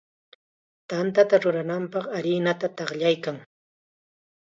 Tantata rurananpaq harinata taqllaykan.